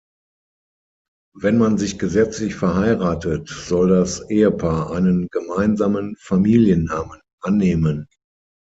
Wenn man sich gesetzlich verheiratet, soll das Ehepaar einen gemeinsamen Familiennamen annehmen.